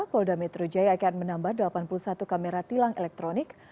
polda metro jaya akan menambah delapan puluh satu kamera tilang elektronik